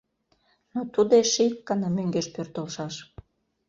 Но тудо эше ик гана мӧҥгеш пӧртылшаш.